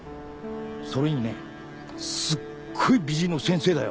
それにねすっごい美人の先生だよ。